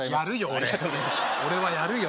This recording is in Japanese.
俺俺はやるよ